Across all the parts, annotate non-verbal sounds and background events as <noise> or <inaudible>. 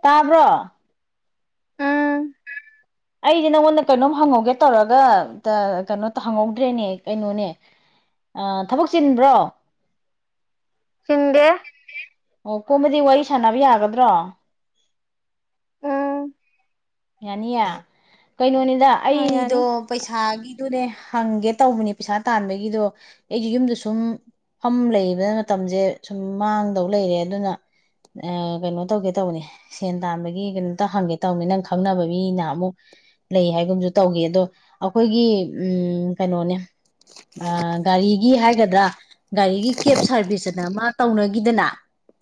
ꯇꯥꯕ꯭ꯔꯣ ꯎꯝ ꯑꯩꯗꯤ ꯅꯪꯉꯣꯟꯗ ꯀꯩꯅꯣꯝ ꯍꯪꯍꯧꯒꯦ ꯇꯧꯔꯒ ꯀꯩꯅꯣ ꯍꯪꯍꯧꯗ꯭ꯔꯦꯅꯦ ꯀꯩꯅꯣꯅꯦ ꯊꯕꯛ ꯆꯤꯟꯕ꯭ꯔꯣ ꯁꯤꯗꯦ ꯑꯣ ꯀꯨꯝꯃꯗꯤ ꯋꯥꯔꯤ ꯁꯥꯟꯅꯕ ꯌꯥꯒꯗ꯭ꯔꯣ ꯎꯝ ꯌꯥꯅꯤꯌꯦ ꯀꯩꯅꯣꯅꯤꯗ ꯑ ꯑꯩꯗꯣ ꯌꯥꯅꯤ ꯄꯩꯁꯥꯒꯤ ꯑꯗꯨꯅꯦ ꯍꯪꯒꯦ ꯇꯧꯕꯅꯤ ꯄꯩꯁꯥ ꯇꯥꯟꯕꯒꯤꯗꯣ ꯑꯩꯁꯨ ꯌꯨꯝꯗ ꯁꯨꯝ ꯐꯝ ꯂꯩꯕꯗ ꯃꯇꯝꯁꯦ ꯁꯨꯝ ꯃꯥꯡꯗꯧ ꯂꯩꯔꯦ ꯑꯗꯨꯅ ꯀꯩꯅꯣ ꯇꯧꯒꯦ ꯇꯧꯕꯅꯦ ꯁꯦꯟ ꯇꯥꯟꯕꯒꯤ ꯀꯩꯅꯣꯝꯇ ꯍꯪꯒꯦ ꯇꯧꯕꯅꯤ ꯅꯪ ꯈ ꯈꯪꯅꯕ ꯃꯤꯅ ꯑꯃꯨꯛ ꯂꯩ ꯍꯥꯏꯒꯨꯝꯁꯨ ꯇꯧꯈꯤ ꯑꯗꯣ ꯑꯩꯈꯣꯏꯒꯤ ꯀꯩꯅꯣꯅꯦ ꯒꯥꯔꯤꯒꯤ ꯍꯥꯏꯒꯗ꯭ꯔꯥ ꯒꯥꯔꯤꯒꯤ ꯀꯦꯞ ꯁꯥꯔꯚꯤꯁ ꯑꯅ ꯃꯥ ꯇꯧꯅꯈꯤꯗꯅ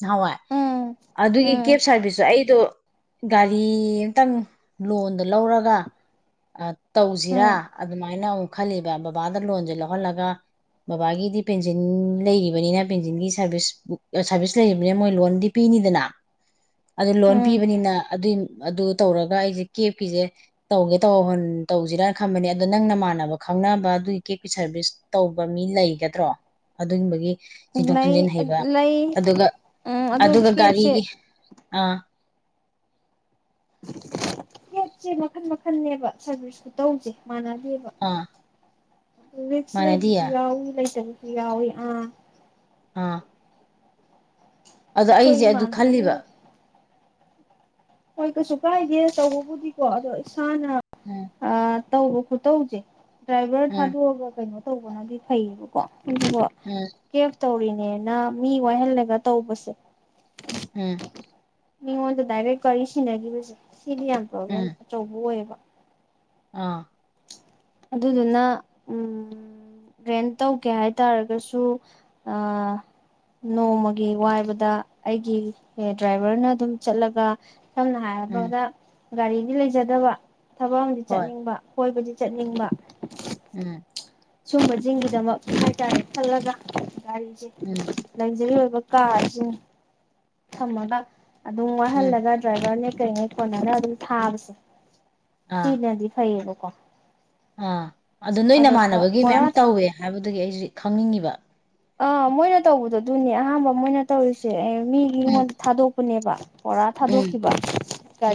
ꯅꯍꯥꯟꯋꯥꯏ ꯎꯝ ꯑꯗꯨꯒꯤ ꯎꯝ ꯀꯦꯞ ꯁꯥꯔꯚꯤꯁꯁꯨ ꯑꯩꯗꯣ ꯒꯥꯔꯤ ꯈꯤꯇꯪ ꯂꯣꯟꯗ ꯂꯧꯔꯒ ꯇꯧꯁꯤꯔꯥ ꯎꯝ ꯑꯗꯨꯃꯥꯏꯅ ꯑꯃꯨꯛ ꯈꯜꯂꯤꯕ ꯕꯕꯥꯗ ꯂꯣꯟꯁꯦ ꯂꯧꯍꯜꯂꯒ ꯕꯕꯥꯒꯤꯗꯤ ꯄꯦꯟꯁꯤꯟ ꯂꯩꯔꯤꯕꯅꯤꯅ ꯄꯦꯟꯁꯤꯟꯒꯤ ꯁꯥꯔꯚꯤꯁ ꯁꯥꯔꯚꯤꯁ ꯂꯩꯔꯤꯕꯅꯤꯅ ꯃꯣꯏ ꯂꯣꯟꯗꯤ ꯄꯤꯅꯤꯗꯅ ꯑꯗꯨ ꯂꯣꯟ ꯎꯝ ꯄꯤꯕꯅꯤꯅ ꯑꯗꯨꯏ ꯑꯗꯨ ꯇꯧꯔꯒ ꯑꯩꯁꯦ ꯀꯦꯞꯀꯤꯁꯦ ꯇꯧꯒꯦ ꯇꯧ ꯇꯧꯁꯤꯔꯅ ꯈꯕꯅꯦ ꯑꯗꯣ ꯅꯪꯅꯃꯥꯟꯅꯕ ꯈꯪꯅꯕ ꯑꯗꯨꯒꯤ ꯀꯦꯞꯀꯤ ꯁꯔꯚꯤꯁ ꯇꯧꯕ ꯃꯤ ꯂꯩꯒꯗ꯭ꯔꯣ ꯑꯗꯨꯨꯝꯕꯒꯤ ꯂꯩ ꯂꯩ ꯎꯝ ꯑꯗꯨ ꯑꯗꯨꯒ ꯀꯦꯞꯁꯦ ꯒꯥꯔꯤꯒꯤ ꯑꯥ ꯀꯦꯞꯁꯦ ꯃꯈꯟ ꯃꯈꯟꯅꯦꯕ ꯁꯔꯚꯤꯁꯀꯨ ꯇꯧꯁꯦ ꯃꯅꯗꯕ ꯑꯥ ꯔꯁ ꯂꯁꯤ ꯃꯥꯟꯅꯗꯤꯌꯦ ꯌꯥ ꯂꯩꯥꯏ ꯆ ꯌꯥꯎꯏ ꯑꯥ ꯑꯥ ꯑꯗꯣ ꯑꯩꯈꯣꯏ ꯑꯩꯁꯦ ꯑꯗꯨ ꯈꯜꯂꯤꯕ ꯏꯃꯥꯟꯅꯕꯈꯩꯅ ꯍꯣꯏ ꯀꯩꯁꯨ ꯀꯥꯏꯗꯦ ꯇꯧꯕꯕꯨꯗꯤꯀꯣ ꯑꯗꯣ ꯍꯅ ꯎꯝ ꯑ ꯇ ꯈꯨ ꯇꯧ ꯎꯆꯦ ꯗ꯭ꯔꯥꯏꯚꯔ ꯎꯝ ꯊꯥꯨ ꯍꯕ ꯀꯩꯅꯣ ꯇꯧꯕꯅꯗꯤ ꯐꯩꯌꯦꯕꯀꯣ ꯎꯝ <unintelligible> ꯇꯧꯔꯤꯅꯦꯅ ꯃꯤ ꯋꯥꯏꯍꯜꯂꯒ ꯇꯧꯕꯁꯦ ꯎꯝ ꯃꯤꯉꯣꯟꯟ ꯗꯗꯥꯏꯔꯠ ꯀ ꯏꯁꯤꯤꯟꯒꯤꯁ ꯁꯤꯗꯤ ꯌꯥꯝ ꯄ꯭ꯔꯣꯕ꯭ꯂꯦꯝ ꯎꯝ ꯑꯆꯧꯕ ꯑꯣꯏꯌꯦꯕ ꯑꯥ ꯑꯗꯨꯗꯨꯅ ꯔꯦꯟ ꯇꯧꯒꯦ ꯍꯥꯏ ꯇꯥꯔꯒꯁꯨ ꯅꯣꯡꯃꯒꯤ ꯋꯥꯏꯕꯗ ꯑꯩꯒꯤ ꯗ꯭ꯔꯥꯏꯚꯔꯅ ꯑꯗꯨꯝ ꯆꯠꯂꯒ ꯁꯝꯅ ꯎꯝ ꯍꯥꯏꯔꯕꯗ ꯒꯥꯔꯤꯅꯤ ꯂꯩꯖꯗꯕ ꯊꯕꯛ ꯑꯃꯗꯤ ꯍꯣꯏ ꯆꯠꯅꯤꯡꯕ ꯀꯣꯏꯕꯗꯤ ꯆꯠꯅꯤꯡꯕ ꯎꯝ ꯁꯨꯝꯕꯁꯤꯡꯒꯤꯗꯃꯛ ꯍꯥꯏꯇꯥꯔꯦ ꯈꯜꯂꯒ ꯒꯥꯔꯤꯁꯦ ꯎꯝ ꯂꯛꯖꯔꯤ ꯑꯣꯏꯕ ꯀꯥꯖ ꯊꯃꯗ ꯑꯗꯨꯝ ꯎꯝ ꯋꯥꯍꯜꯂꯒ ꯗ꯭ꯔꯥꯏꯚꯔꯅꯦ ꯏꯀꯣꯟꯅꯣ ꯑꯗꯨ ꯊꯥꯕꯁꯦ ꯑꯥ ꯁꯤꯅꯗꯤ ꯐꯩꯌꯦꯕ ꯀꫭ ꯑꯥ ꯑꯗꯨ ꯅꯣꯏ ꯅꯃꯥꯟꯅꯕꯒꯤ ꯃꯌꯥꯝ ꯕꯣꯔꯥ ꯇꯧꯋꯦ ꯍꯥꯏꯕ ꯑꯗꯨꯒꯤ ꯑꯩꯖꯤ ꯈꯪꯅꯤꯡꯉꯤꯕ ꯑꯥ ꯃꯣꯏꯅ ꯇꯧꯕꯗꯣ ꯑꯗꯨꯅꯦ ꯑꯍꯥꯟꯕ ꯃꯣꯏꯅ ꯇꯧꯔꯤꯁꯦ ꯑꯩ ꯃꯤꯒꯤ ꯎꯝ <unintelligible> ꯊꯥꯗꯣꯛ ꯄꯨꯅꯦꯕ ꯄꫭꯔꯥ ꯎꯝ ꯊꯥꯗꯣꯛꯈꯤꯕ ꯁ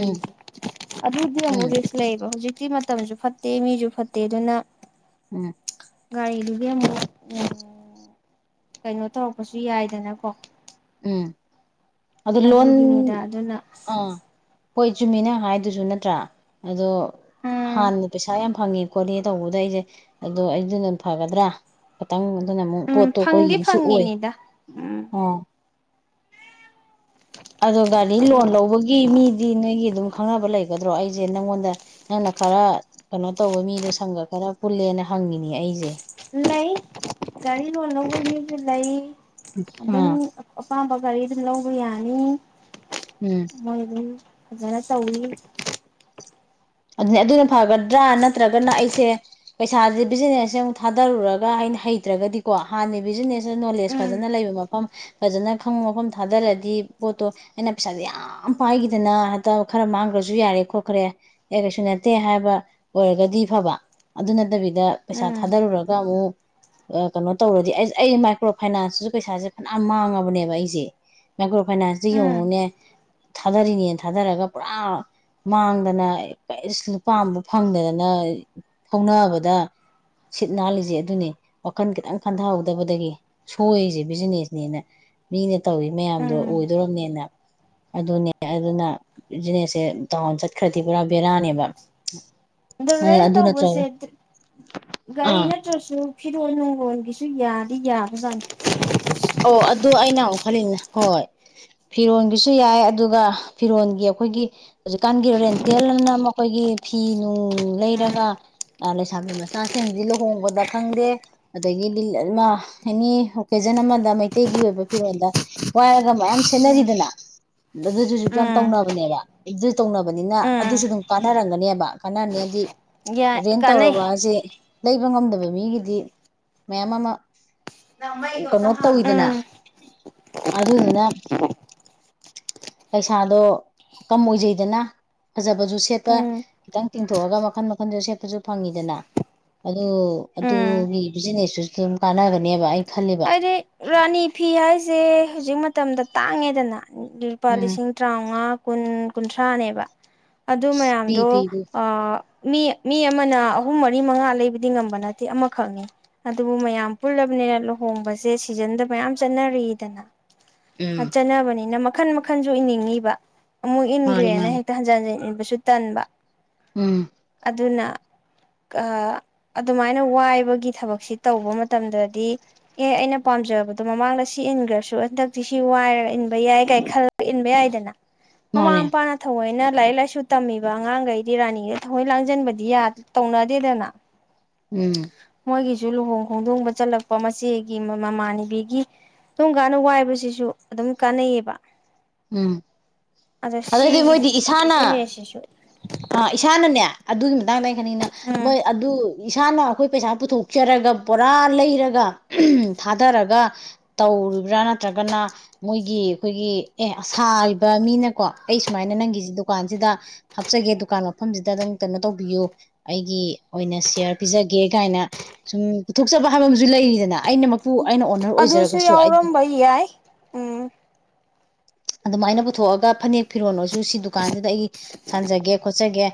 ꯎꯝ ꯑꯗꯨꯗꯤ ꯎꯝ ꯑꯃꯨꯛ ꯔꯤꯛꯁ ꯂꯩꯌꯦꯕ ꯍꯧꯖꯤꯛꯇꯤ ꯃ ꯃꯇꯝꯖꯨ ꯐꯠꯇꯦ ꯃꯤꯖꯨ ꯐꯠꯇꯦ ꯑꯗꯨꯅ ꯎꯝ ꯒꯥꯔꯤꯗꯨꯒꯤ ꯑꯃꯛ ꯎꯝ ꯀꯩꯅꯣ ꯇꯧꯔꯛꯄꯁꯨ ꯌꯥꯏꯗꯅꯀꯣ ꯎꯝ ꯑꯗꯨ ꯂꯣꯟ ꯑꯗꯨꯒꯤꯅꯤꯗ ꯑꯗꯨꯅ ꯑꯥ ꯍꯣꯏ ꯆꯨꯝꯃꯦ‌ ꯅꯪ ꯍꯥꯏꯗꯨꯁꯨ ꯅꯠꯇ꯭ꯔꯥ ꯑꯗꯣ ꯎꯝ ꯍꯥꯟꯅ ꯄꯩꯁꯥ ꯌꯥꯝ ꯐꯪꯉꯦ ꯈꯣꯠꯂꯦ ꯇꯧꯕꯗꯨꯗ ꯑꯩꯁꯦ ꯑꯗꯣ ꯑꯩꯗꯨꯅ ꯐꯒꯗ꯭ꯔꯥ ꯈꯇꯪ ꯅ ꯑꯗꯨꯅ ꯃꯨꯛ ꯎꯝ ꯄꯣꯠꯇꯣ ꯐꯪꯗꯤ ꯑꯩꯈꯣꯏꯒꯤꯃꯨꯛꯁꯨ ꯑꯣꯏ ꯐꯪꯉꯤꯅꯤꯗ ꯎꯝ ꯑ ꯑꯗꯣ ꯒꯥꯔꯤ ꯂꯣꯟ ꯂꯧꯕꯒꯤ ꯃꯤꯗꯤ ꯅꯣꯏꯒꯤ ꯑꯗꯨꯝ ꯈꯪꯅꯕ ꯂꯩꯒꯗ꯭ꯔꯣ ꯑꯩꯖꯦ ꯅꯪꯉꯣꯟꯗ ꯅꯪꯅ ꯈꯔ ꯀꯩꯅꯣ ꯇꯧꯕ ꯃꯤꯗꯣ ꯁꯪꯒ ꯈꯔ ꯄꯨꯜꯂꯦꯅ ꯍꯪꯉꯤꯅꯦ ꯑꯩꯖꯦ ꯂꯩ <unintelligible> ꯒꯥꯔꯤ ꯂꫭꯅ <unintelligible> ꯂꯧꯕꯩ ꯃꯤꯕꯨꯗꯤ ꯂꯩ <unintelligible> ꯑꯗꯨꯝ ꯑꯥ <unintelligible> ꯑꯄꯥꯝꯕ ꯒꯥꯔꯤ ꯑꯗꯨꯝ ꯂꯧꯕ ꯌꯥꯅꯤ ꯎꯝ <unintelligible> ꯃꯣꯏ ꯗꯨꯝ ꯐꯖꯅ ꯇꯧꯋꯤ ꯑꯗꯅꯦ ꯑꯗꯨꯅ ꯐꯒꯗ꯭ꯔꯥ ꯅꯠꯇ꯭ꯔꯒꯅ ꯑꯩꯁꯦ ꯄꯩꯁꯥꯥꯁꯦ ꯕꯤꯖꯤꯅꯦꯁꯁꯦ ꯑꯃꯨꯛ ꯊꯥꯗꯔꯨꯔꯒ ꯑꯩꯅ ꯍꯩꯇ꯭ꯔꯒꯗꯤꯀꯣ ꯍꯥꯟꯅ ꯕꯤꯖꯤꯅꯦꯁ ꯁꯤ ꯅꯣꯂꯦꯖ ꯎꯝ ꯐꯖꯅ ꯂꯩꯕ ꯃꯐꯝ ꯐꯖꯅ ꯈꯪꯕ ꯃꯐꯝ ꯊꯥꯗꯔꯗꯤ ꯄꯣꯠꯇꯣ ꯑꯩꯅ ꯄꯩꯁꯥꯁꯦ ꯌꯥꯝ ꯄꯥꯏꯒꯤꯗꯅ ꯍꯥꯏꯇꯥ ꯈꯔ ꯃꯥꯡꯈ꯭ꯔꯁꯨ ꯌꯥꯔꯦ ꯈꯣꯠꯈ꯭ꯔꯦ ꯑꯦ ꯀꯩꯁꯨ ꯅꯠꯇꯦ ꯍꯥꯏꯕ ꯑꯣꯏꯔꯒꯗꯤ ꯐꯕ ꯑꯗꯨ ꯅꯠꯇꯕꯤꯗ ꯄꯩꯁꯥ ꯎꯝ ꯊꯥꯗꯔꯨꯔꯒ ꯑꯃꯨꯛ ꯑ ꯀꯩꯅꯣ ꯇꯧꯔꯗꯤ ꯑꯃꯨꯛ ꯑꯁ ꯑꯩ ꯃꯥꯏꯀ꯭ꯔꯣ ꯐꯥꯏꯅꯥꯟꯁꯇꯁꯨ ꯄꯩꯁꯥꯁꯦ ꯐꯅ ꯃꯥꯡꯉꯕꯅꯦꯕ ꯑꯩꯁꯦ ꯃꯥꯏꯀ꯭ꯔꯣ ꯐꯥꯏꯅꯥꯟꯁꯇ ꯎꯝ ꯌꯦꯡꯉꯨꯅꯦ ꯊꯥꯗꯔꯤꯅꯦꯅ ꯊꯥꯗꯔꯒ ꯄꯨꯔꯥ ꯃꯥꯡꯗꯅ ꯀꯩꯁ ꯂꯨꯄꯥ ꯑꯝꯕꯧ ꯐꯪꯗꯗꯅ ꯊꯧꯅꯅꯕꯗ ꯁꯤꯠ ꯅꯥꯜꯂꯤꯁꯦ ꯑꯗꯨꯅꯦ ꯋꯥꯈꯟ ꯈꯤꯇꯪ ꯈꯟꯊꯍꯧꯗꯕꯗꯒꯤ ꯁꯣꯏꯔꯤꯁꯦ ꯕꯤꯖꯤꯅꯦꯁꯅꯦꯅ ꯃꯤꯅ ꯇꯧꯋꯤ ꯃꯌꯥꯝꯗꯣ ꯎꯝ ꯑꯣꯏꯗꯣꯔꯝꯅꯦꯅ ꯑꯗꯨꯅꯦ ꯑꯗꯨꯅ ꯕꯤꯖꯤꯅꯦꯁꯁꯦ ꯗꯥꯎꯟ ꯆꯠꯈ꯭ꯔꯗꯤ ꯄꯨꯔꯥ ꯕꯦꯔꯥꯅꯦꯕ <unintelligible> ꯗꯨ ꯔꯦꯟ ꯑꯗꯨ ꯇꯧꯕꯁꯦ ꯅꯠꯇ꯭ꯔꯒ ꯗ ꯒꯥꯔꯤ ꯑꯥ ꯅꯠꯇ꯭ꯔꯁꯨ ꯐꯤꯔꯣꯟꯜ ꯅꯨꯡꯔꫭꯟꯒꯤꯁꯨ ꯌꯥꯗꯤ ꯌꯥꯕꯖꯥ <unintelligible> ꯑꯣ ꯑꯗꫭ ꯑꯩꯅ ꯑꯃꯨꯛ ꯈꯜꯂꯤꯅꯤꯅ ꯍꯣꯏ ꯐꯤꯔꯣꯟꯒꯤꯁꯨ ꯌꯥꯏ ꯑꯗꯨꯒ ꯐꯤꯔꯣꯟꯒꯤ ꯑꯈꯣꯏꯒꯤ ꯍꯧꯖꯤꯛꯀꯥꯟꯒꯤ ꯔꯦꯟꯇꯦꯜꯑꯅ ꯑꯈꯣꯏꯒꯤ ꯐꯤ ꯅꯨꯡ ꯎꯝ ꯂꯩꯔꯒ ꯂꯩꯁꯥꯕꯤ ꯃꯆꯥꯁꯤꯡꯖꯤ ꯂꯨꯍꯣꯡꯕꯗ ꯈꯪꯗꯦ ꯑꯗꯒꯤꯗꯤ ꯃꯥ ꯑꯦꯅꯤ ꯑꯣꯀꯦꯖꯟ ꯑꯃ ꯗꯤꯃꯩꯇꯩꯒꯤ ꯑꯣꯏꯕ ꯐꯤꯔꯣꯟꯗ ꯋꯥꯏꯔꯒ ꯃꯌꯥꯝ ꯁꯦꯠꯅꯔꯤꯗꯅ ꯑꯗꯨꯗꯨꯁꯨ <unintelligible> ꯌꯥꯝ ꯎꯝ ꯇꯧꯅꯕꯅꯦꯕ ꯑꯗꯨ ꯇꯧꯅꯕꯅꯤꯅ ꯑꯗꯨꯁꯨ ꯎꯝ ꯑꯗꯨꯝ ꯀꯥꯟꯅꯔꯝꯒꯅꯦꯕ ꯀꯥꯟꯅꯔꯅꯤ ꯍꯥꯏꯗꯤ ꯌꯥꯏ ꯔꯦꯟ ꯀꯥꯟꯅꯩ ꯇꯧꯔꯕꯁꯦ ꯂꯩꯕ ꯉꯝꯗꯕ ꯃꯤꯒꯤꯗꯤ ꯃꯌꯥꯝ ꯑꯃ ꯀ ꯇꯧꯋꯗꯅ ꯎꯝ ꯑꯗꯨꯗꯨꯅ ꯄꯩꯁꯥꯗꯣ ꯀꯝ ꯑꯣꯏꯖꯩꯗꯅ ꯐꯖꯕꯁꯨ ꯁꯦꯠꯄ ꯎꯝ ꯈꯤꯇꯪ ꯇꯤꯡꯊꯣꯛꯑꯒ ꯃꯈꯟ ꯃꯈꯟꯗ ꯁꯦꯠꯄꯁꯨ ꯐꯪꯉꯤꯗꯅ ꯑꯗꯨ ꯎꯝ ꯑꯗꯨꯒꯤ ꯕꯤꯖꯤꯅꯦꯁꯇꯨꯁꯨ ꯑꯗꯨꯝ ꯀꯥꯟꯅꯅꯕꯅꯦꯕ ꯑꯩ ꯈꯜꯂꯤꯕ ꯍꯥꯏꯗꯤ ꯔꯥꯅꯤ ꯐꯤ ꯍꯥꯏꯁꯦ ꯍꯧꯖꯤꯛ ꯃꯇꯝꯗ ꯇꯥꯡꯉꯦꯗꯅ ꯂꯨꯄꯥ ꯎꯝ ꯂꯤꯁꯤꯡ ꯇꯔꯥꯃꯉꯥ ꯀꯨꯟ ꯀꯨꯟꯊ꯭ꯔꯥꯅꯦꯕ ꯑꯗꯨ ꯄꯤ ꯃꯌꯥꯝꯗꯣ ꯄꯤꯕꯨ ꯑ ꯃꯤ ꯃꯤ ꯑꯃꯅ ꯑꯍꯨꯝ ꯃꯔꯤ ꯃꯉꯥ ꯂꯩꯕꯗꯤ ꯉꯝꯕ ꯅꯠꯇꯦ ꯑꯃꯈꯛꯅꯤ ꯑꯗꯨꯕꯨ ꯃꯌꯥꯝ ꯄꯨꯜꯂꯕꯅꯤꯅ ꯂ ꯍꯣꯡꯕꯁꯦ ꯁꯤꯖꯟꯗ ꯃꯌꯥꯝ ꯆꯠꯅꯔꯤꯗꯅ ꯑ ꯎꯝ ꯆꯅꯥꯕꯅꯤ ꯅ ꯃ ꯃꯈꯟ ꯃꯈꯟꯁꯨ ꯏꯅꯤꯡꯉꯤꯕ ꯑꯃꯨꯛ ꯃꯥꯅꯤ ꯏꯟꯈ꯭ꯔꯦꯅ ꯃꯥꯅꯤ ꯍꯦꯛꯇ ꯍꯟ ꯍꯟ ꯏꯟꯁꯨ ꯆꯇꯟꯕ ꯎꯝ ꯑꯗꯨꯅ ꯑꯗꯨꯃꯥꯏꯅ ꯋꯥꯏꯕꯒꯤ ꯊꯕꯛꯁꯤ ꯇꯧꯕ ꯃꯇꯝꯗꯗꯤ ꯑꯦ ꯑꯩꯅ ꯄꯥꯝꯖꯕꯗꯣ ꯃꯃꯥꯡꯗ ꯁꯤ ꯏꯟꯈ꯭ꯔꯁꯨ ꯍꯟꯗꯛꯇꯤ ꯁꯤ ꯋꯥꯏꯔ ꯏꯟꯕ ꯌꯥꯏ ꯀꯥꯏ ꯈꯜꯂ ꯏꯟꯕ ꯌꯥꯏꯗꯅ ꯃꯃꯥ ꯃꯥꯅꯦ ꯃꯄꯥꯅ ꯊꯑꯣꯣꯏꯅ ꯂꯥꯏꯔꯤꯛ ꯂꯥꯏꯁꯨ ꯇꯝꯃꯤꯕ ꯑꯉꯥꯡꯈꯩꯗꯤ ꯔꯥꯅꯤꯒꯩ ꯊꯃꯣꯏ ꯂꯥꯡꯁꯤꯟꯕꯗꯤ ꯇꯧꯅꯗꯦꯗꯅ ꯎꯝ ꯁꯨ ꯂꯨꯍꯣꯡ ꯈꯣꯡꯗꯣꯡꯕ ꯆꯠꯂꯛꯄ ꯃꯆꯦ ꯒꯤ ꯃꯃꯥꯟꯅꯕꯤꯒꯤ ꯇꯣꯡ ꯀꯥꯟꯅ ꯋꯥꯏꯕꯁꯤꯁꯨ ꯑꯗꯨꯝ ꯀꯥꯟꯅꯩꯌꯦꯕ ꯎꯝ ꯑꯗꯣ ꯑꯗꯨꯗꯏꯗꯤ ꯁꯤꯒꯤ ꯃꯣꯏꯗꯤ ꯏꯁꯥꯅ ꯕꯤꯖꯤꯅꯦꯁꯁꯤꯁꯨ ꯑꯥ ꯏꯁꯥꯅꯅꯦ ꯑꯗꯨꯒꯤ ꯇꯥꯡꯅꯈꯅꯤꯅ ꯎꯝ ꯃꯣꯏ ꯑꯗꯨ ꯏꯁꯥꯅ ꯑꯩꯈꯣꯏ ꯄꯩꯁꯥ ꯄꯨꯊꯣꯛꯆꯔꯒ ꯄꯨꯔꯥ ꯂꯩꯔꯒ ꯊꯥꯗꯔꯒ ꯇꯧꯔꯤꯕ꯭ꯔꯥ ꯅꯠꯇ꯭ꯔꯒꯅ ꯃꯣꯏꯒꯤ ꯑꯩꯈꯣꯏꯒꯤ ꯑꯦ ꯁꯥꯥꯔꯤꯕ ꯃꯤꯅꯀꯣ ꯑꯩ ꯁꯨꯃꯥꯏꯅ ꯅꯪꯒꯤꯁꯤ ꯗꯨꯀꯥꯟꯁꯤꯗ ꯍꯥꯞꯆꯒꯦ ꯗꯨꯀꯥꯟ ꯃꯐꯝꯁꯤꯗ ꯑꯗꯨꯝ ꯀꯩꯅꯣ ꯇꯧꯕꯤꯌꯨ ꯑꯩꯒꯤ ꯑꯣꯏꯅ ꯁꯤꯌꯥꯔ ꯄꯤꯖꯒꯦ ꯀꯥꯏꯅ ꯁꯨꯝ ꯄꯨꯊꯣꯛꯆꯕ ꯍꯥꯏꯕ ꯑꯃꯁꯨ ꯂꯩꯔꯤꯗꯅ ꯑꯩꯅ ꯃꯄꯨ ꯑꯩꯅ ꯑꯣꯅꯔ ꯑꯗꯨꯁꯨ ꯑꯣꯏꯖꯔꯒꯁꯨ ꯑꯩ ꯌꯥꯎꯔꯝꯕ ꯌꯥꯏ ꯎꯝ ꯑꯗꯨꯃꯥꯏꯅ ꯄꯨꯊꯣꯛꯑꯒ ꯐꯅꯦꯛ ꯐꯤꯔꯣꯜ ꯑꯣꯏꯁꯨ ꯁꯤ ꯗꯨꯀꯥꯟꯁꯤꯗ ꯑꯩ ꯁꯥꯟꯖꯒꯦ ꯈꯣꯠꯆꯒꯦ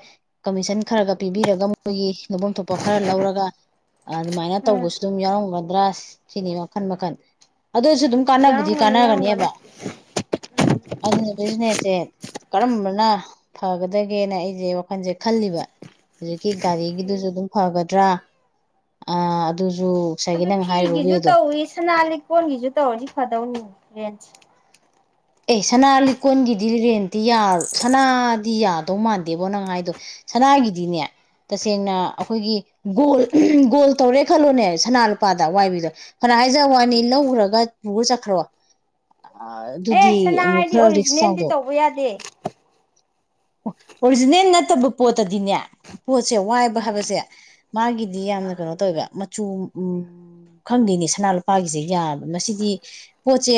ꯀꯃꯤꯁꯟ ꯈꯔꯒ ꯄꯤꯕꯤꯔꯒ ꯃꯣꯏꯒꯤ ꯂꯨꯐꯝ ꯊꯣꯛꯄ ꯈꯔ ꯂꯧꯔꯒ ꯑꯗꯨꯃꯥꯏꯅ ꯎꯝ ꯇꯧꯕꯁꯨ ꯑꯗꯨꯝ ꯌꯥꯎꯔꯝꯒꯗ꯭ꯔꯥ ꯁꯤꯅꯤ ꯃꯈꯜ ꯃꯈꯜ ꯑꯗꯨꯁꯨ ꯑꯗꯨꯝ ꯀꯥꯟꯕꯨꯗꯤ ꯌꯥꯎꯔꯝꯒꯅꯤ ꯌꯥꯎꯔꯝꯒꯅꯤ ꯀꯥꯟꯅꯒꯅꯦꯕ ꯑꯗꯨꯅ ꯑꯗꯨꯖꯤꯅꯦꯁꯦ ꯀꯔꯝꯕꯅ ꯐꯒꯗꯒꯦꯅ ꯑꯩꯁꯦ ꯋꯥꯈꯜꯁꯦ ꯈꯜꯂꯤꯕ ꯍꯧꯖꯤꯛꯀꯤ ꯒꯥꯔꯤꯒꯤꯗꯨꯁꯨ ꯑꯗꯨꯝ ꯐꯒꯗ꯭ꯔꯥ ꯑ ꯑꯗꯨꯁꯨ ꯉꯁꯥꯏꯒꯤ ꯑꯗꯨ ꯅꯪ ꯍꯥꯏꯔꯤꯕ ꯐꯤꯒꯤꯁꯨ ꯋꯦꯗꯣ ꯇꯧꯏ ꯁꯅꯥ ꯂꯩꯀꯣꯟꯜꯒꯤꯁꯨ ꯇꯧꯔꯁꯤ ꯐꯗꯧꯅꯤ ꯍꯣꯔꯦꯟ ꯑꯦ ꯁꯅꯥ ꯂꯤꯀꯣꯟꯜꯒꯤꯗꯤ ꯔꯦꯟꯇꯤ ꯌꯥꯔꯣ ꯁꯅꯥꯗꯤ ꯌꯥꯗꯧ ꯃꯥꯟꯗꯦꯕꯣ ꯅꯪ ꯍꯥꯏꯗꯣ ꯁꯅꯥꯒꯤꯗꯤꯅꯦ ꯇꯁꯦꯡꯅ ꯑꯩꯈꯣꯏꯒꯤ ꯒꯣꯜ ꯒꯣꯜ ꯇꯧꯔꯦ ꯈꯜꯂꯣꯅꯦ ꯁꯅꯥ ꯂꯨꯄꯥꯗ ꯋꯥꯏꯕꯤꯗꯣ ꯐꯅ ꯍꯥꯏꯖ ꯋꯥꯅꯤ ꯂꯧꯈ꯭ꯔꯒ ꯄꯨꯔ ꯆꯠꯈ꯭ꯔꯣ ꯑꯦ ꯑꯗꯨꯗꯤ ꯁꯅꯥ ꯑꯃꯨꯛ ꯍꯥꯏꯗꯤ ꯈꯔ ꯔꯤꯛꯁ ꯑꯣꯔꯤꯖꯤꯅꯦꯜꯗꯤ ꯇꯧꯕ ꯌꯥꯗꯦ ꯑꯣ ꯑꯣꯔꯤꯖꯤꯅꯦꯜ ꯅꯠꯇꯕ ꯄꯣꯠꯇꯗꯤꯅꯦ ꯄꯣꯠꯁꯦ ꯋꯥꯏꯕ ꯎꯝ ꯍꯥꯏꯕꯁꯦ ꯃꯥꯒꯤꯗꯤ ꯌꯥꯝꯅ ꯀꯩꯅꯣ ꯇꯧꯋꯦ ꯃꯆꯨ ꯈꯪꯗꯦꯅꯦ ꯁꯅꯥ ꯂꯨꯄꯥꯒꯤꯁꯦ ꯌꯥꯕ ꯃꯁꯤꯗꯤ ꯄꯣꯠꯁꯦ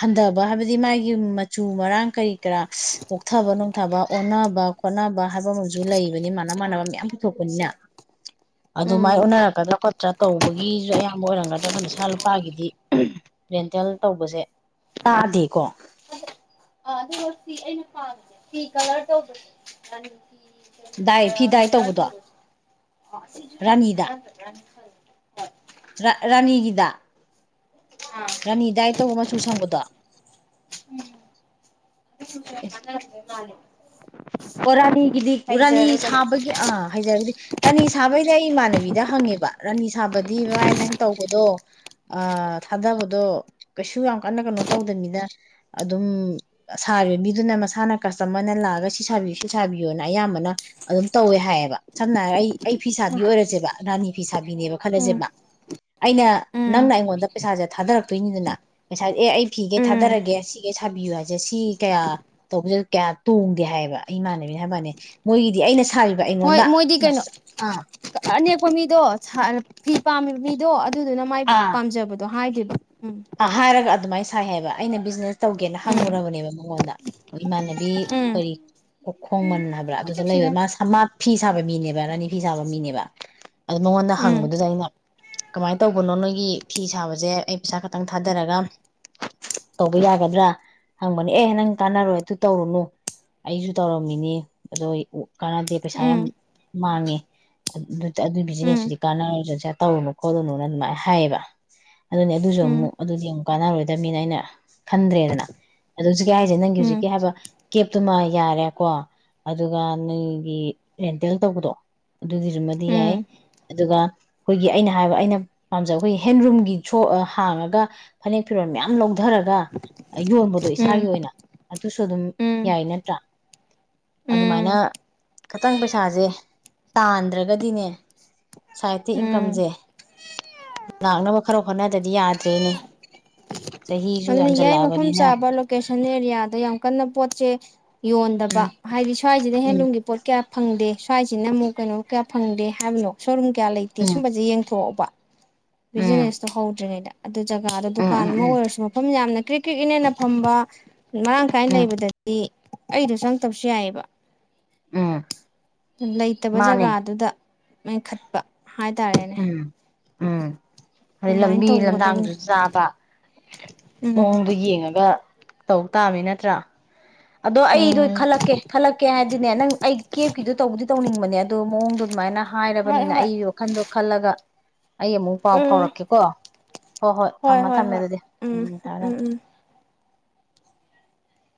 ꯍꯟꯊꯕ ꯍꯥꯏꯕꯗꯤ ꯃꯥꯒꯤ ꯃꯆꯨ ꯃꯔꯥꯡ ꯀꯔꯤ ꯀꯔꯥ ꯀꯣꯛꯊꯕ ꯅꯨꯡꯊꯕ ꯑꯣꯟꯅꯕ ꯈꯣꯠꯅꯕ ꯍꯥꯏꯕ ꯑꯃꯁꯨ ꯂꯩꯕꯅꯤ ꯃꯥꯥꯟꯅ ꯃꯥꯟꯅꯕ ꯃꯌꯥꯝ ꯄꯨꯊꯣꯛꯄꯅꯤꯅ ꯎꯝ ꯑꯗꯨꯃꯥꯏꯅ ꯑꯣꯟꯅꯔꯛꯀꯗ꯭ꯔꯥ ꯈꯣꯠꯇ꯭ꯔꯥ ꯇꯧꯕꯒꯤꯁꯨ ꯑꯌꯥꯝꯕ ꯑꯣꯏꯔꯝꯒꯗ꯭ꯔꯥ ꯀ ꯁꯥ ꯂꯨꯄꯥꯒꯤꯗꯤ ꯔꯦꯟꯇꯦꯜ ꯇꯧꯕꯁꯦ ꯇꯥꯗꯦꯀꯣ ꯐ ꯀꯂꯔ ꯇꯧꯕ ꯗꯥꯏ ꯐꯤ ꯗꯥꯏ ꯀꯂꯔ ꯇꯧꯕꯗꯣ ꯇ ꯔꯥꯅꯤꯗ ꯍꯠꯇ ꯀꯅꯤ ꯈ ꯔꯥꯅꯤꯒꯤꯗ ꯔꯥꯅꯤ ꯗꯥꯏ ꯇꯧꯕ ꯃꯆꯨ ꯁꯪꯕꯗꯣ ꯑꯣꯔꯥꯅꯤ ꯒꯤꯗꯤ ꯔꯥꯅꯤ ꯍꯩꯖꯔꯒ ꯁꯥꯕꯒꯤ ꯑ ꯍꯥꯏꯖꯔꯒꯗꯤ ꯔꯥꯅꯤ ꯁꯥꯕꯩꯗꯤ ꯑꯩ ꯏꯃꯥꯟꯅꯕꯤꯗ ꯍꯪꯉꯦꯕ ꯔꯥꯅꯤ ꯁꯥꯕꯗꯤ ꯚꯥꯏ ꯅꯪ ꯇꯧꯕꯗꯣ ꯊꯥꯗꯕꯗꯣ ꯀꯩꯁꯨ ꯌꯥꯝ ꯀꯟꯅ ꯀꯩꯅꯣ ꯇꯧꯗꯅꯤꯅ ꯑꯗꯨꯝ ꯁꯥꯔꯤꯕ ꯃꯤꯗꯨꯅ ꯃꯁꯥꯅ ꯀꯁꯇꯃꯔꯅ ꯂꯥꯛꯑꯒ ꯁꯤ ꯁꯥꯕꯤꯌꯨ ꯁꯤ ꯁꯥꯕꯤꯌꯣꯅ ꯑꯌꯥꯝꯕꯅ ꯑꯗꯨꯝ ꯇꯧꯋꯦ ꯍꯥꯏꯌꯦꯕ ꯁꯝꯅ ꯍꯥꯏꯔꯕ ꯑꯩ ꯑꯩ ꯐꯤ ꯁꯥꯕꯤ ꯑꯣꯏꯔꯁꯦꯕ ꯔꯥꯅꯤ ꯐꯤ ꯁꯥꯕꯤꯅꯦꯕ ꯎꯝ ꯈꯜꯂꯁꯦꯕ ꯑꯩꯅ ꯎꯝ ꯅꯪꯅ ꯑꯩꯉꯣꯟꯗ ꯄꯩꯁꯥꯁꯦ ꯊꯥꯗꯔꯛꯇꯣꯏꯅꯤꯗꯨꯅ ꯄꯩꯁꯥ ꯑꯦ ꯑꯩ ꯐꯤꯒꯩ ꯎꯝ ꯊꯥꯗꯔꯒꯦ ꯁꯤꯒꯦ ꯁꯥꯕꯤꯌꯨ ꯍꯥꯏꯁꯦ ꯁꯤ ꯀꯌꯥ ꯇꯧꯕꯁꯤ ꯀꯌꯥ ꯇꯣꯡꯗꯦ ꯍꯥꯏꯌꯦꯕ ꯏꯃꯥꯟꯅꯅꯕꯅ ꯍꯥꯏꯕꯅꯦ ꯃꯣꯏꯒꯤꯗꯤ ꯑꯩꯅ ꯊꯥꯏꯕ ꯍꯣꯏ ꯏꯉꯣꯟꯗ ꯃꯁ ꯑ ꯑꯩꯈꯣꯏ ꯃꯤꯗꯣ ꯐ ꯄꯥꯝꯃꯤꯕ ꯃꯤꯗꯣ ꯑꯗꯨꯗꯨꯅ ꯃꯥꯏ ꯄꯥꯝꯖꯕꯗꯣ ꯍꯥꯏꯈꯤꯕ ꯑ ꯍꯥꯏꯔꯒ ꯑꯗꯨꯃꯥꯏꯅꯦ ꯁꯥꯏ ꯍꯥꯏꯕ ꯑꯩꯅ ꯕꯤꯖꯤꯅꯦꯁ ꯇꯧꯒꯦꯅ ꯎꯝ ꯍꯪꯉꯨꯔꯕꯅꯦꯕ ꯃꯉꯣꯟꯗ ꯏꯃꯥꯟꯅꯕꯤ ꯀꯔꯤ ꯑꯣꯈꯣꯡ ꯃꯅꯨꯡꯅ ꯑꯗꯨ ꯂꯩꯕ ꯃꯥ ꯐꯤꯁ ꯁꯥꯕ ꯃꯤꯅꯦꯕ ꯔꯥꯅꯤ ꯐꯤ ꯁꯥꯕ ꯃꯤꯅꯦꯕ ꯑꯗꯨꯗꯣ ꯃꯉꯣꯟꯗ ꯎꯝ ꯍꯪꯕꯗꯨꯗ ꯑꯩꯅ ꯀꯃꯥꯏꯅ ꯇꯧꯕꯅꯣ ꯅꯣꯏꯒꯤ ꯐꯤ ꯁꯥꯕꯁꯦ ꯑꯩ ꯄꯩꯁꯥ ꯈꯛꯇ ꯈꯤꯇꯪ ꯊꯥꯗꯔꯒ ꯇꯧꯕ ꯌꯥꯒꯗ꯭ꯔꯥ ꯍꯪꯕꯅꯤ ꯑꯦ ꯅꯪ ꯀꯥꯟꯅꯔꯣꯏ ꯑꯗꯨ ꯇꯧꯔꯨꯅꯨ ꯑꯩꯁꯨ ꯇꯧꯔꯝꯃꯤꯅꯤ ꯑꯗꯣ ꯀꯥꯟꯅꯗꯦ ꯄꯩꯁꯥ ꯌꯥꯝ ꯎꯝ ꯃꯥꯡꯉꯦ ꯑꯗꯨꯒꯤ ꯎꯝ ꯕꯤꯖꯤꯅꯦꯁꯇꯨꯗꯤ ꯀꯥꯟꯅꯔꯁꯨꯁꯥ ꯇꯧꯔꯨꯅꯨ ꯈꯣꯠꯂꯨꯅꯨꯅ ꯑꯗꯨꯃꯥꯏꯅ ꯍꯥꯏꯌꯦꯕ ꯑꯗꯨꯅꯤ ꯑꯗꯨꯁꯨ ꯎꯝ ꯑꯃꯨꯛ ꯑꯗꯨꯗꯤ ꯑꯃꯨꯛ ꯀꯥꯟꯅꯔꯣꯏꯗꯕꯅꯤꯅ ꯑꯩꯅ ꯈꯟꯗ꯭ꯔꯦꯗꯅ ꯑꯗꯨ ꯍꯧꯖꯤꯛꯀꯤ ꯍꯥꯏꯁꯦ ꯅꯪꯒꯤ ꯎꯝ ꯀꯦ ꯍꯥꯏꯕ ꯑꯗꯨꯨꯃ ꯌꯥꯔꯦꯀꯣ ꯑꯗꯨꯒ ꯅꯪꯒꯤ ꯔꯦꯟꯇꯦꯜ ꯇꯧꯕꯗꯣ ꯑꯗꯨꯒꯤꯗꯨꯃꯗꯤ ꯌꯥꯏ ꯎꯝ ꯑꯗꯨꯒ ꯑꯩꯈꯣꯏꯒꯤ ꯑꯩꯅ ꯍꯥꯏꯕ ꯑꯩꯅ ꯄꯥꯝꯖꯕ ꯑꯩꯈꯣꯏꯒꯤ ꯍꯦꯟꯔꯨꯝꯒꯤ ꯁ ꯍꯥꯡꯉꯒ ꯐꯅꯦꯛ ꯐꯤꯔꯣꯟ ꯃꯌꯥꯝ ꯂꯧ ꯆꯊꯔꯒ ꯌꯣꯟꯕꯗꯣ ꯎꯝ ꯏꯁꯥꯒꯤ ꯑꯣꯏꯅ ꯑꯗꯨꯁꯨ ꯑꯗꯨꯝ ꯎꯝ ꯎꯝ ꯌꯥꯏ ꯅꯠꯇ꯭ꯔꯥ ꯎꯝ ꯑꯗꯨꯃꯥꯏꯅ ꯈꯤꯇꯪ ꯄꯩꯁꯥꯁꯦ ꯇꯥꯟꯗ꯭ꯔꯒꯗꯤꯅꯦ ꯁꯥꯏꯠꯇ ꯎꯝ ꯏꯟꯀꯝꯁꯦ ꯂꯥꯛꯅꯕ ꯈꯔ ꯍꯣꯠꯅꯗꯗꯤ ꯌꯥꯗ꯭ꯔꯦꯅꯦ ꯆꯍꯤꯁꯨ ꯑꯗꯨꯅ ꯌꯥꯏ ꯃꯐꯝ ꯌꯥꯝꯁꯜꯂꯛꯑꯕꯅꯤꯅ ꯆꯥꯕ ꯂꯣꯀꯦꯁꯟ ꯑꯦꯔꯤꯌꯥꯗ ꯌꯥꯝ ꯀꯟꯅ ꯄꯣꯠꯁꯦ ꯌꯣꯟꯗꯕ ꯎꯝ ꯍꯥꯏꯗꯤ ꯁ꯭ꯋꯥꯏꯁꯤꯗ ꯎꯝ ꯍꯦꯟꯂꯨꯝꯒꯤ ꯄꯣꯠ ꯀꯌꯥ ꯐꯪꯗꯦ ꯁ꯭ꯋꯥꯏꯁꯤꯅ ꯑꯃꯨꯛ ꯀꯩꯅꯣ ꯀꯌꯥ ꯐꯪꯗꯦ ꯍꯥꯏꯕꯅꯣ ꯁꯣꯔꯨꯝ ꯀꯌꯥ ꯂꯩꯇꯦ ꯎꯝ ꯁꯨꯝꯕꯁꯦ ꯌꯦꯡꯊꯣꯛꯑꯣꯕ ꯎꯝ ꯕꯤꯖꯤꯅꯦꯁꯇꯣ ꯍꯧꯗ꯭ꯔꯤꯉꯩꯗ ꯑꯗꯨ ꯖꯒꯥꯗꯣ ꯎꯝ ꯗꯨꯀꯥꯟ ꯎꯝ ꯑꯃ ꯎꯝ ꯑꯣꯏꯔꯁꯨ ꯌꯥꯝꯅ ꯀ꯭ꯔꯤꯛ ꯀꯔꯤꯛ ꯏꯅꯦꯅ ꯐꯝꯕ ꯃꯔꯥꯡ ꯀꯥꯏꯅ ꯎꯝ ꯂꯩꯕꯗꯗꯤ ꯑꯩꯗ ꯆꯪ ꯇꯧꯁꯨ ꯌꯥꯏꯑꯕ ꯎꯝ ꯂꯩꯇꯕ ꯃꯥꯅꯦ ꯖꯒꯥꯗꯨꯗ ꯃꯦꯟꯈꯠꯄ ꯍꯥꯏꯇꯥꯔꯦꯅꯦ ꯎꯝ ꯎꯝ ꯑꯗꯩ ꯑꯗꯨꯃꯥꯏꯅ ꯂꯝꯕꯤ ꯇꯧꯒꯗꯕꯅꯤ ꯂꯝꯗꯥꯡꯗꯨꯁꯨ ꯆꯥꯕ ꯎꯝ ꯃꯑꯣꯡꯗ ꯌꯦꯡꯉꯒ ꯇꯧ ꯇꯥꯕꯃꯤ ꯅꯠꯇ꯭ꯔꯥ ꯑꯗꯣ ꯑꯩꯗꯣ ꯎꯝ ꯈꯜꯂꯛꯀꯦ ꯈꯜꯂꯛꯀꯦ ꯍꯥꯏꯗꯤꯅꯦ ꯅꯪ ꯑꯩ ꯀꯦꯞꯀꯤꯗꯣ ꯇꯧꯕꯗꯤ ꯇꯧꯅꯤꯡꯕꯅꯦ ꯑꯗꯣ ꯃꯑꯣꯡ ꯑꯗꯨꯠꯃꯥꯏꯅ ꯍꯣꯏ ꯍꯥꯏꯔꯕꯅꯤꯅ ꯍꯣꯏ ꯑꯩꯒꯤ ꯋꯥꯈꯟꯗꯣ ꯈꯜꯂꯒ ꯑꯩ ꯑꯃꯨꯛ ꯄꯥꯎ ꯎꯝ ꯐꯥꯎꯔꯛꯀꯦꯀꯣ ꯍꯣꯏ ꯍꯣꯏ ꯊꯝꯃ ꯊꯝꯃꯦ ꯑꯗꯨꯗꯤ ꯎꯝ ꯊꯝꯃꯦ ꯊꯝꯃꯦ